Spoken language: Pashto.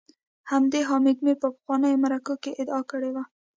همدې حامد میر په پخوانیو مرکو کي ادعا کړې وه